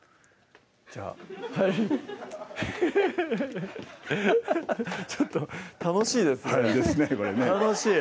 じゃあちょっと楽しいですね楽しい！